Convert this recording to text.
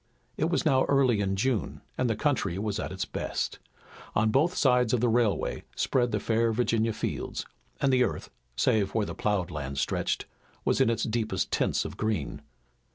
It was now early in June, and the country was at its best. On both sides of the railway spread the fair Virginia fields, and the earth, save where the ploughed lands stretched, was in its deepest tints of green.